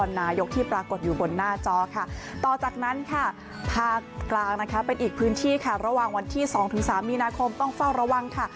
หน้าจอค่ะต่อจากนั้นค่ะภาคกลางนะคะเป็นอีกพื้นที่ค่ะระหว่างวันที่สองถึงสามมีนาคมต้องเฝ้าระวังค่ะ